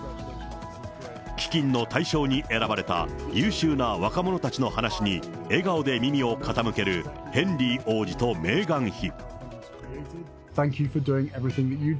基金の対象に選ばれた優秀な若者たちの話に、笑顔で耳を傾けるヘンリー王子とメーガン妃。